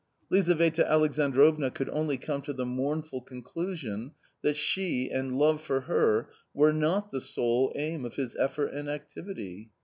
Lizaveta Alexandrovna could only come to the mournful conclusion that she and love for her were not the sole aim of his effort and activity.